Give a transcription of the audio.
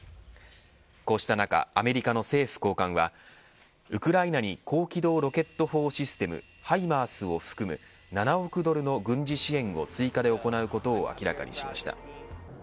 こうした中アメリカの政府高官はウクライナに高機動ロケット砲システムハイマースを含む７億ドルの軍事支援を追加で行うことを明らかにしました。